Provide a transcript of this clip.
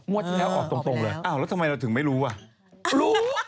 งวดที่แล้วออกตรงเลยอ่าวแล้วทักมายเราถึงไม่รู้อ่ะ